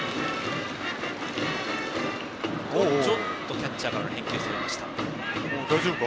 キャッチャーからの返球がそれました。